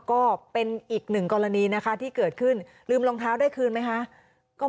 ก็เป็นอีกหนึ่งกรณีนะคะที่เกิดขึ้นลืมรองเท้าได้คืนไหมคะ